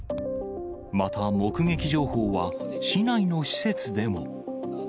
また、目撃情報は、市内の施設でも。